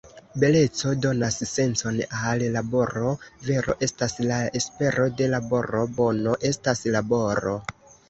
Beleco- donas sencon al laboro, vero- estas la espero de laboro, bono- estas laboro.